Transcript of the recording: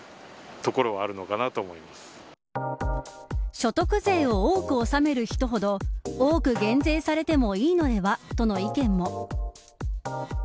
所得税を多く納める人ほど多く減税されてもいいのではという意見も。